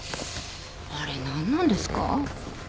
あれ何なんですか？